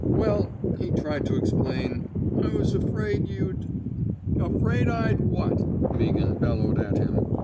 Well,*' he tried to explain, I was afraid you'd —''Afraid I'd what? '' Meaghan bellowed at him.